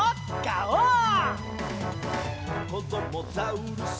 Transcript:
「こどもザウルス